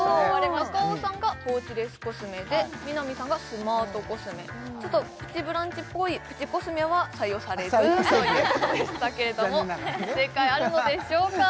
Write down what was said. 中尾さんがポーチレスコスメで南さんがスマートコスメ「プチブランチ」っぽいプチコスメは採用されずということでしたが正解あるのでしょうか？